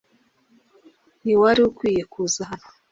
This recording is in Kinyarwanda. ntiwari ukwiye kuza hano